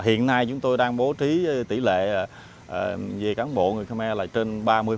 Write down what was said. hiện nay chúng tôi đang bố trí tỷ lệ về cán bộ người khô me là trên ba mươi